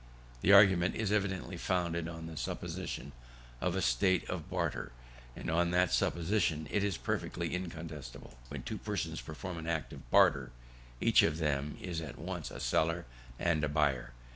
This argument is evidently founded on the supposition of a state of barter; and, on that supposition, it is perfectly incontestable. When two persons perform an act of barter, each of them is at once a seller and a buyer.